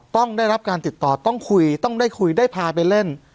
ต้องได้รับการติดต่อต้องคุยต้องได้คุยได้พาไปเล่น